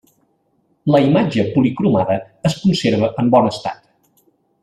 La imatge policromada es conserva en bon estat.